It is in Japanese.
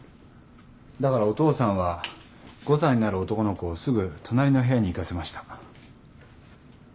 だからお父さんは５歳になる男の子をすぐ隣の部屋に行かせました。